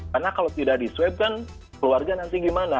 karena kalau tidak diswep kan keluarga nanti gimana